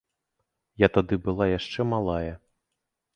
Я тады была яшчэ малая.